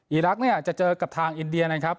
อลักษณ์เนี่ยจะเจอกับทางอินเดียนะครับ